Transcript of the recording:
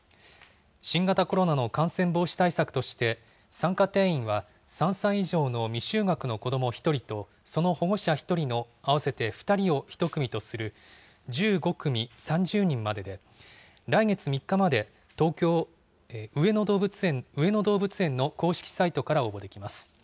新型コロナの感染防止対策として、参加定員は３歳以上の未就学の子ども１人と、その保護者１人の合わせて２人を１組とする、１５組３０人までで、来月３日まで東京・上野動物園の公式サイトから応募できます。